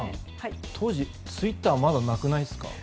当時、ツイッターまだなくないですか。